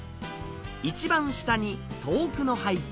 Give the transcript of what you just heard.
一番下に遠くの背景。